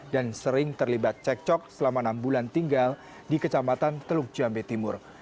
dan sering terlibat cekcok selama enam bulan tinggal di kecamatan teluk jambi timur